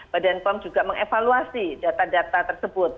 badan pom juga mengevaluasi data data tersebut